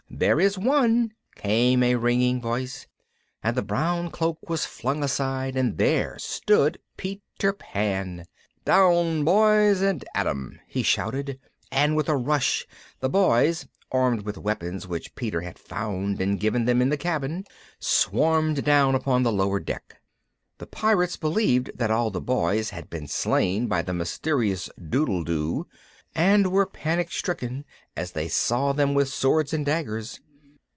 "There is one," came a ringing voice, and the brown cloak was flung aside and there stood Peter Pan. "Down, Boys, and at them," he shouted, and with a rush the Boys, armed with weapons which Peter had found and given them in the cabin, swarmed down upon the lower deck. The Pirates believed that all the Boys had been slain by the mysterious doodledoo, and were panic stricken as they saw them with swords and daggers.